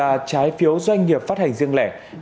và trái phiếu doanh nghiệp phát hành riêng lẻ